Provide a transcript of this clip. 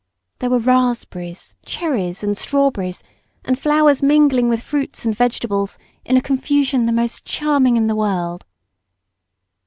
There were raspberries, cherries and strawberries, and flowers mingling with fruits and vegetables in a confusion the most charming in the world.